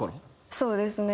そうですね。